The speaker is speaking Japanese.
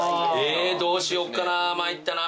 えどうしよっかな参ったな。